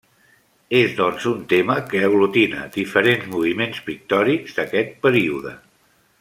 És doncs un tema que aglutina diferents moviments pictòrics d'aquest període.